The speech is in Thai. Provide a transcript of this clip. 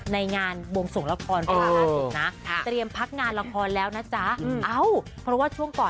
ในงานบวงส่งละครแล้วนะเออ